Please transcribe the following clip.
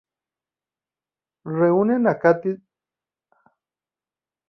Reúnen a Katherine y apenas escapan mientras el edificio explota.